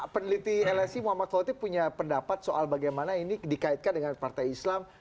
peneliti lsi muhammad khotib punya pendapat soal bagaimana ini dikaitkan dengan partai islam